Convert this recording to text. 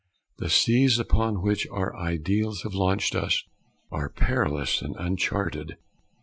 The seas upon which our ideals have launched us are perilous and uncharted.